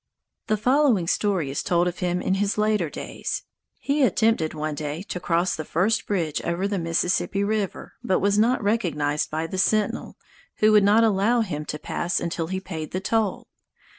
The following story is told of him in his later days. He attempted one day to cross the first bridge over the Mississippi River, but was not recognized by the sentinel, who would not allow him to pass until he paid the toll.